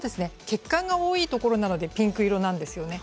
血管が多いところなのでピンク色なんですよね。